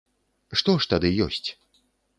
Што ж тады ёсць?